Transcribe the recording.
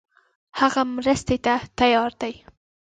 هغه مرستې ته تیار دی.